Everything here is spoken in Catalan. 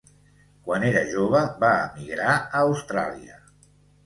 Quan era jove va emigrar a Austràlia.